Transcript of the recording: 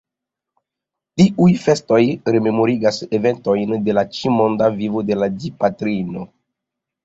Tiuj festoj rememorigas eventojn de la ĉi-monda vivo de la Dipatrino.